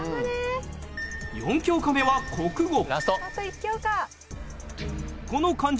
４教科目は国語。